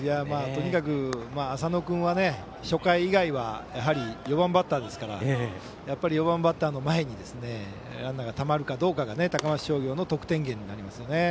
とにかく、浅野君は初回以外は４番バッターですから４番バッターの前にランナーがたまるかどうかが高松商業の得点源になりますよね。